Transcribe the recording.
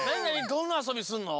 どんなあそびするの？